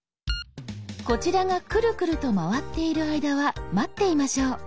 こちらがクルクルと回っている間は待っていましょう。